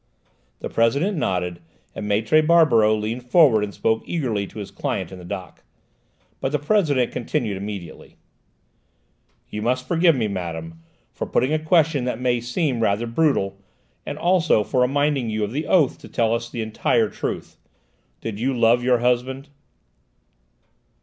The President nodded, and Maître Barberoux leaned forward and spoke eagerly to his client in the dock. But the President continued immediately. "You must forgive me, madame, for putting a question that may seem rather brutal, and also for reminding you of your oath to tell us the entire truth. Did you love your husband?"